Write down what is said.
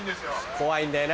怖いんだよな